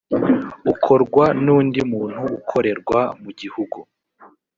ukorwa n undi muntuukorerwa mu gihugu